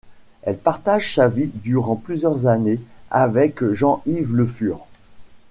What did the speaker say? Elle partage sa vie durant plusieurs années avec Jean-Yves Le Fur.